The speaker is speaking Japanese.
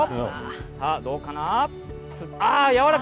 さあ、どうかな？